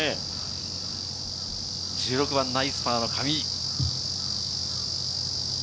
１６番ナイスパーの上井。